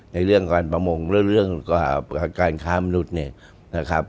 ในเรื่องการประมงหรือเรื่องการค้ามนุษย์เนี่ยนะครับ